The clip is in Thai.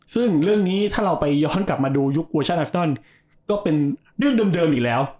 ซึ่งเรื่องนี้ถ้าเราไปย้อนกลับมาดูยุคเวอร์ชันอัฟตันก็เป็นเรื่องเดิมอีกแล้ว